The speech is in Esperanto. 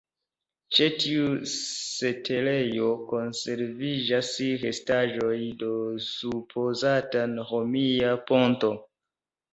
Ĉe tiu setlejo konserviĝas restaĵoj de supozata romia ponto.